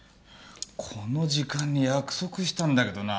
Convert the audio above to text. この時間に約束したんだけどな。